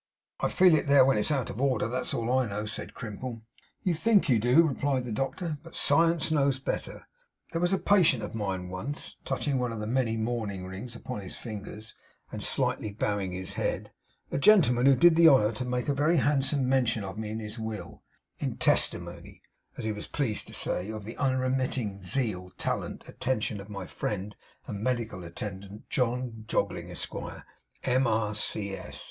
'I feel it there, when it's out of order; that's all I know,' said Crimple. 'You think you do,' replied the doctor; 'but science knows better. There was a patient of mine once,' touching one of the many mourning rings upon his fingers, and slightly bowing his head, 'a gentleman who did me the honour to make a very handsome mention of me in his will "in testimony," as he was pleased to say, "of the unremitting zeal, talent, and attention of my friend and medical attendant, John Jobling, Esquire, M.R.C.S.